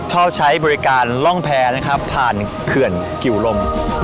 ชอบใช้บริการร่องแพร่นะครับผ่านเขื่อนกิ๋วลม